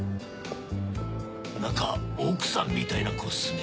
何か奥さんみたいな子っスね。